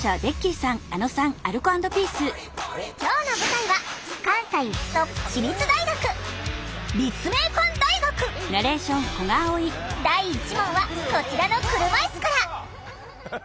今日の舞台は関西の私立大学はこちらの車いすから！